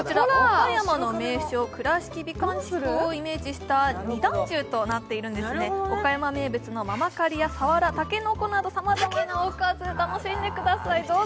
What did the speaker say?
岡山の名所、倉敷美観地区をイメージした２段重なっているんですね、岡山名物のままかりやたけのこ、さわら、などさまざまなおかずを楽しんでください。